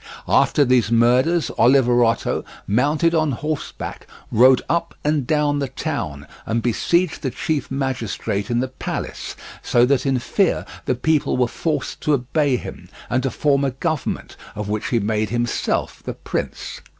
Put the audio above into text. After these murders Oliverotto, mounted on horseback, rode up and down the town and besieged the chief magistrate in the palace, so that in fear the people were forced to obey him, and to form a government, of which he made himself the prince.